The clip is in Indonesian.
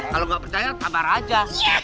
kalau gak percaya tambah raja